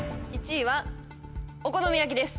１位はお好み焼きです。